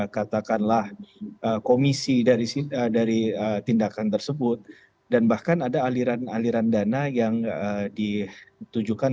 katakanlah komisi dari sih dari tindakan tersebut dan bahkan ada aliran aliran dana yang di tujukan